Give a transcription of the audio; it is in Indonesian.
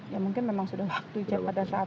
ya mungkin memang sudah waktu jep pada saat